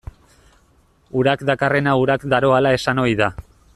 Urak dakarrena urak daroala esan ohi da.